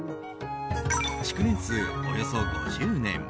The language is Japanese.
築年数およそ５０年。